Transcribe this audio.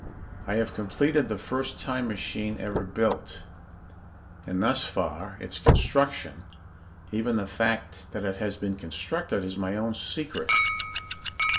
I have completed the first time machine ever built and thus far, its construction, even the fact that it has been constructed, is my own secret.